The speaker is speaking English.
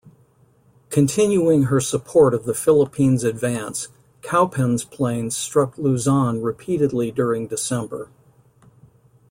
Continuing her support of the Philippines advance, "Cowpens"' planes struck Luzon repeatedly during December.